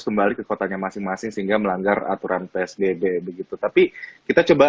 kembali ke kotanya masing masing sehingga melanggar aturan psbb begitu tapi kita coba